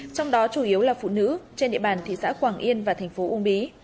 trong đó chủ yếu là phụ nữ trên địa bàn thị xã quảng yên và thành phố uông bí